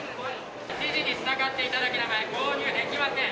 指示に従っていただけない場合、購入できません。